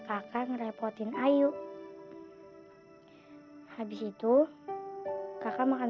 kakak udah baik kan kak